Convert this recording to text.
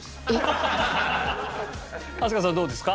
飛鳥さんどうですか？